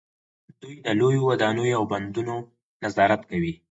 دوی د لویو ودانیو او بندونو نظارت کوي.